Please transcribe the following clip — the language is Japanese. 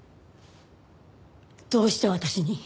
どうして私に？